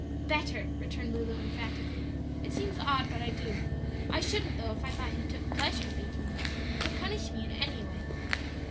"Better," returned Lulu, emphatically; "it seems odd, but I do. I shouldn't though if I thought he took pleasure in beating me, or punishing me in any way."